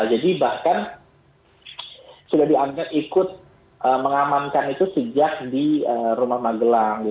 jadi bahkan sudah dianggap ikut mengamankan itu sejak di rumah magelang